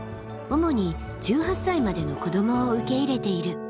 主に１８歳までの子どもを受け入れている。